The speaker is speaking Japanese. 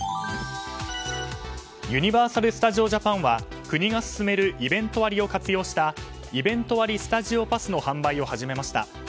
ユニバーサル・スタジオ・ジャパンは国が進めるイベント割を活用したイベント割スタジオ・パスの販売を始めました。